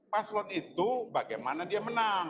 paslon itu bagaimana dia menang